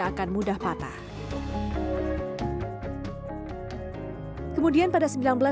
sehingga perhubungan semanggi dan daun semanggi